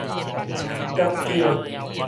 角餅